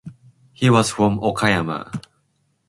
He was from Okayama.